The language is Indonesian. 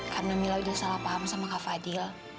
karena mila udah salah paham sama kak fadil